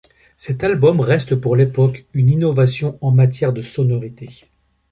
Cet album reste pour l'époque une innovation en matière de sonorité.